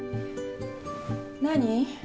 何？